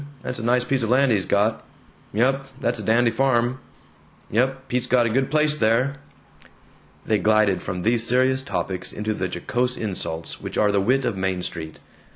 That's a nice piece of land he's got." "Yump, that's a dandy farm." "Yump, Pete's got a good place there." They glided from these serious topics into the jocose insults which are the wit of Main Street.